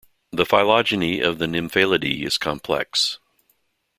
The phylogeny of the Nymphalidae is complex.